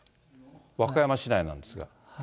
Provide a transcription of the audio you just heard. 和歌山市内なんですが。